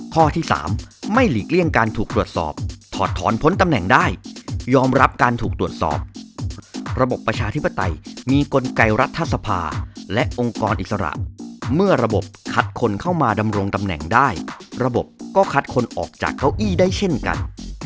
ข้อที่๓ไม่หลีกเลี่ยงการถูกตรวจสอบถอดถอนพ้นตำแหน่งได้ยอมรับการถูกตรวจสอบระบบประชาธิปไตยมีกลไกรัฐสภาและองค์กรอิสระเมื่อระบบคัดคนเข้ามาดำรงตำแหน่งได้ระบบก็คัดคนออกจากเก้าอี้ได้เช่นกัน